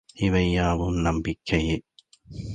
இவை யாவும் நம்பிக்கையே.